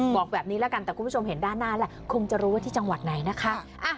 บอกแบบนี้แล้วกันแต่คุณผู้ชมเห็นด้านหน้าแล้วคงจะรู้ว่าที่จังหวัดไหนนะคะ